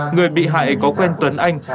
người bị hại có quen tuấn anh